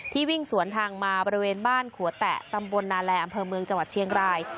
วิ่งสวนทางมาบริเวณบ้านขัวแตะตำบลนาแลอำเภอเมืองจังหวัดเชียงราย